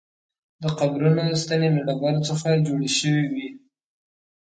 د قبرونو ستنې له ډبرو څخه جوړې شوې وې.